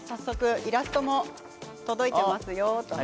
イラストも届いていますよ。